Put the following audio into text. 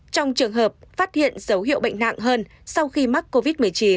trong trường hợp phát hiện dấu hiệu bệnh nặng hơn sau khi mắc covid một mươi chín